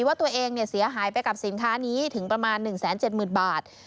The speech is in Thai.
ว่าตัวเองเสียหายไปกับสินค้านี้ถึงประมาณ๑๗๐๐๐บาท